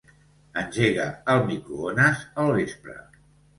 Engega el microones al vespre.